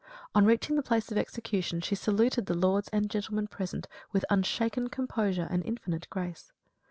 On reaching the place of execution she saluted the lords and gentlemen present with unshaken composure and infinite grace.